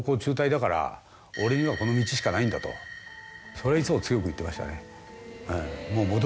それはいつも強く言ってましたね。